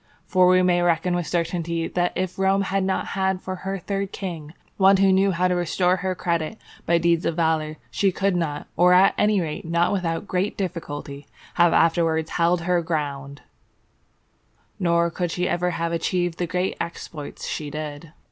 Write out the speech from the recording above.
For we may reckon with certainty that if Rome had not had for her third king one who knew how to restore her credit by deeds of valour, she could not, or at any rate not without great difficulty, have afterwards held her ground, nor could ever have achieved the great exploits she did.